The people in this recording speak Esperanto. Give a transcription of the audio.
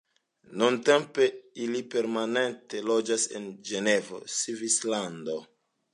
Nuntempe ili permanente loĝas en Ĝenevo, Svislando.